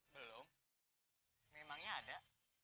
belum memangnya ada